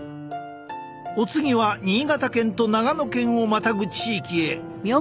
お次は新潟県と長野県をまたぐ地域へ。